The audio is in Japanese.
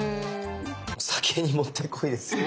お酒に持って来いですよね。